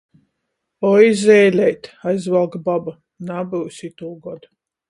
"Oi, zeileit," aizvalk baba, nabyus itūgod